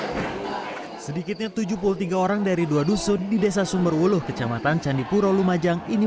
hai sedikitnya tujuh puluh tiga orang dari dua dusun di desa sumberwuluh kecamatan candipuro lumajang ini